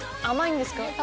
甘いんですか？